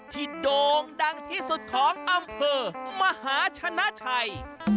โด่งดังที่สุดของอำเภอมหาชนะชัย